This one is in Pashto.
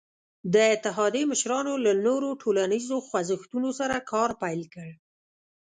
د اتحادیې مشرانو له نورو ټولنیزو خوځښتونو سره کار پیل کړ.